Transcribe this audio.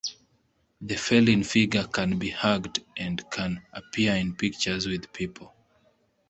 The feline figure can be hugged and can appear in pictures with people.